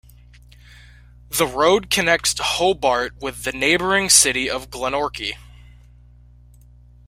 The road connects Hobart with the neighbouring city of Glenorchy.